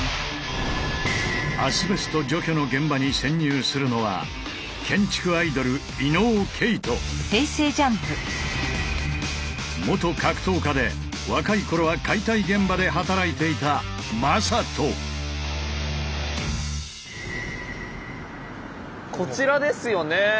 アスベスト除去の現場に潜入するのは元格闘家で若い頃は解体現場で働いていたこちらですよね。